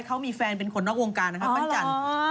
เขามีแฟนเป็นคนนอกวงการนะครับปั้นจันทร์